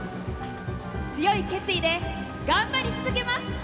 強い決意で頑張り続けます。